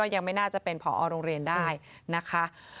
ยังไม่น่าจะเป็นผอโรงเรียนได้นะคะ